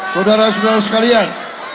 saudara saudara sekalian